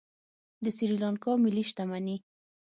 د سریلانکا ملي شتمني